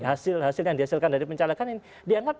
hasil hasil yang dihasilkan dari pencaleg kan ini